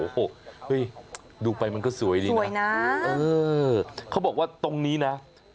โอ้โหเฮ้ยดูไปมันก็สวยดีสวยนะเออเขาบอกว่าตรงนี้นะ